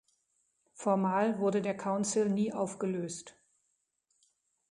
Formal wurde der Council nie aufgelöst.